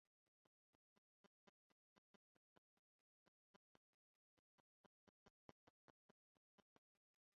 Maĥiac manpremis la kapon, sed nenio restis sur ĝi.